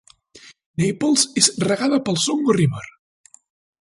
Naples és regada pel Songo River.